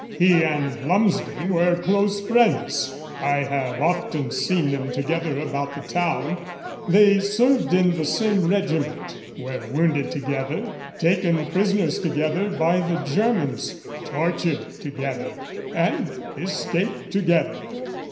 He and Lumsden were close friends I have often seen them together about the town. They served in the same regiment, were wounded together, taken prisoners together by the Germans, tortured together, and escaped together."